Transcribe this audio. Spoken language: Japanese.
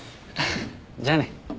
じゃあね。